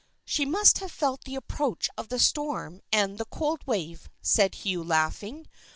" She must have felt the approach of the storm and the cold wave," said Hugh laughing.